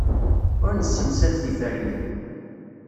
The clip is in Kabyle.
Ur nessemsad tiferyin.